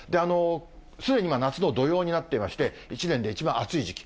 すでに夏の土用になっていまして、１年に一番暑い時期。